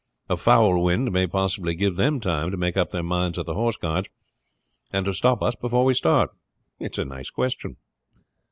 A foul wind may possibly give them time to make up their minds at the Horse Guards, and to stop us before we start. It is a nice question."